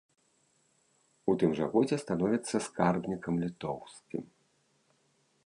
У тым жа годзе становіцца скарбнікам літоўскім.